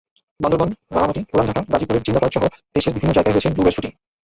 বান্দরবান, রাঙামাটি, পুরান ঢাকা, গাজীপুরের জিন্দা পার্কসহ দেশের বিভিন্ন জায়গায় হয়েছে ডুব-এর শুটিং।